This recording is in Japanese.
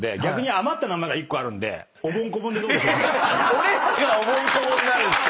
俺らがおぼん・こぼんになるんですか